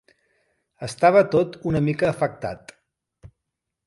Estava tot una mica afectat.